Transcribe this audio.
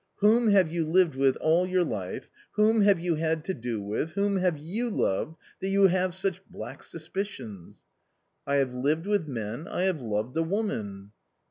Whom have you lived with all your life, whom have you had to do with, whom have you loved, that you have such black suspicions ?"" I have lived with men, I have loved a woman."